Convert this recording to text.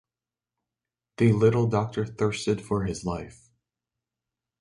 The little doctor thirsted for his life.